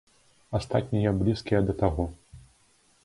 Астатнія блізкія да таго.